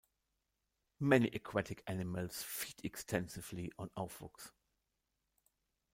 Many aquatic animals feed extensively on aufwuchs.